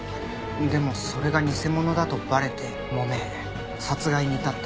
でもそれが偽物だとバレて揉め殺害に至った。